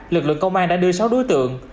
lực lượng công an đã đưa sáu đối tượng